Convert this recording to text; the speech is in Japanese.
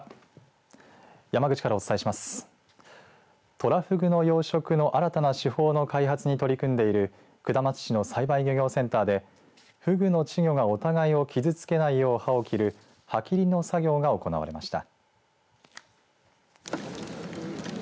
トラフグの養殖の新たな手法の開発に取り組んでいる下松市の栽培漁業センターでフグの稚魚がお互いを傷つけないよう歯を切る歯切りの作業が行われました。